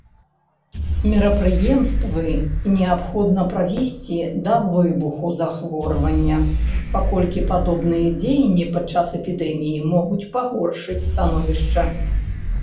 Мерапрыемствы неабходна правесці да выбуху захворвання, паколькі падобныя дзеянні падчас эпідэміі могуць пагоршыць становішча.